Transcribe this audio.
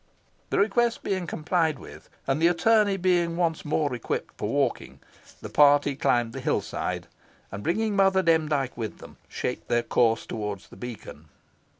The request being complied with, and the attorney being once more equipped for walking, the party climbed the hill side, and, bringing Mother Demdike with them, shaped their course towards the beacon.